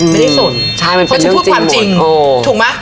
ไม่ได้สนเพราะฉันพูดความจริงถูกไหม